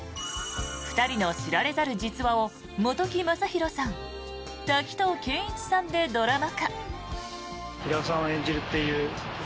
２人の知られざる実話を本木雅弘さん、滝藤賢一さんでドラマ化。